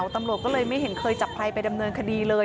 ตำรวจก็เลยไม่เห็นเคยจับใครไปดำเนินคดีเลย